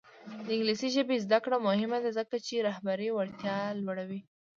د انګلیسي ژبې زده کړه مهمه ده ځکه چې رهبري وړتیا لوړوي.